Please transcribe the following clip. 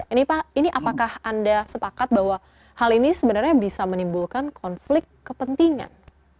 ini pak ini apakah anda sepakat bahwa hal ini sebenarnya bisa menimbulkan konflik kepentingan